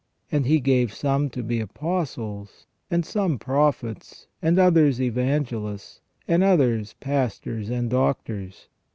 And He gave some to be Apostles, and some prophets, and others evangelists, and others pastors and doctors.